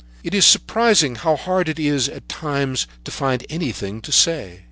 It is surprising how hard it is at times to find anything to say.